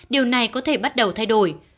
điều này có thể bắt đầu thay đổi